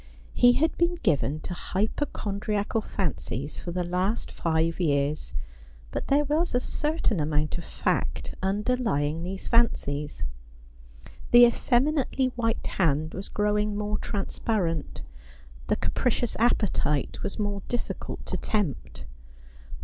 He had been given to hypochondriacal fancies for the last five years, but there was a certain amount of fact underlying these fancies. The effeminately white hand was growing more trans parent ; the capricious appetite was more difi&cult to tempt ; the 198 Ai^pliodel.